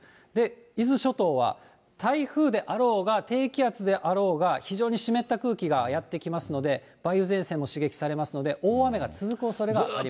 伊豆諸島は台風であろうが低気圧であろうが、非常に湿った空気がやって来ますので、梅雨前線も刺激されますので、大雨が続くおそれがあります。